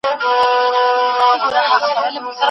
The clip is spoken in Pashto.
تاسو بايد د خپل هېواد تاريخ په دقت وڅېړئ.